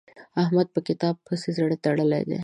احمد په کتاب پسې زړه تړلی دی.